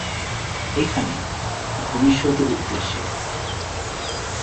এখানে, ভবিষ্যতের উদ্দেশ্যে।